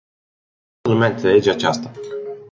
Cred că toată lumea înțelege aceasta.